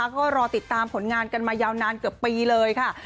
ก็รอติดตามผลงานกันมายาวนานเกือบปีเลยค่ะ